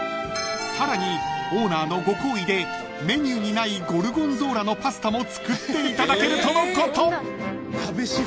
［さらにオーナーのご厚意でメニューにないゴルゴンゾーラのパスタも作っていただけるとのこと］